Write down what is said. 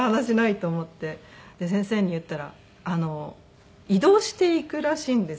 先生に言ったら移動していくらしいんですよね